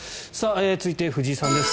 続いて、藤井さんです。